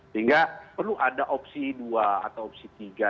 sehingga perlu ada opsi dua atau opsi tiga